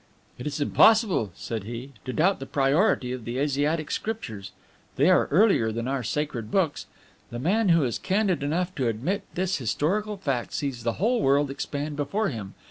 "It is impossible," said he, "to doubt the priority of the Asiatic Scriptures; they are earlier than our sacred books. The man who is candid enough to admit this historical fact sees the whole world expand before him.